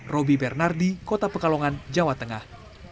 roby bernardi kota pekalongan jawa tengah